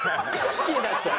好きになっちゃう。